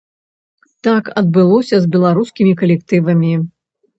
Так адбылося з беларускімі калектывамі.